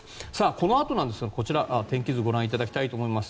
このあとですがこちら、天気図をご覧いただきたいと思います。